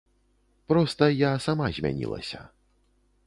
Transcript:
Проста я сама змянілася.